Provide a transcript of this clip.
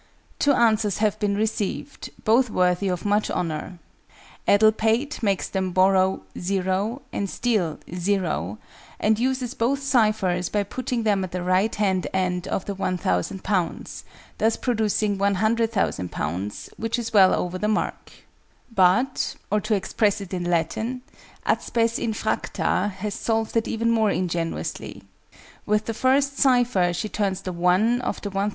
Two answers have been received, both worthy of much honour. ADDLEPATE makes them borrow "0" and steal "0," and uses both cyphers by putting them at the right hand end of the 1,000_l._, thus producing 100,000_l._, which is well over the mark. But (or to express it in Latin) AT SPES INFRACTA has solved it even more ingeniously: with the first cypher she turns the "1" of the 1,000_l.